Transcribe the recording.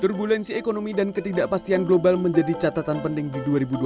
turbulensi ekonomi dan ketidakpastian global menjadi catatan penting di dua ribu dua puluh